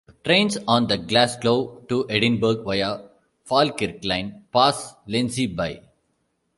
Trains on the Glasgow to Edinburgh via Falkirk Line pass Lenzie by.